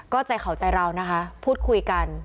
ก็ใจเขาใจเรานะคะพูดคุยกัน